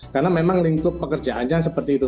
karena memang lingkup pekerjaannya seperti itu